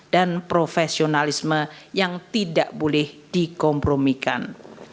dan profesionalisme yang tidak boleh dikompromikan